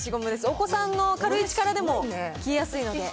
お子さんの軽い力でも消えやすいのでぜひ。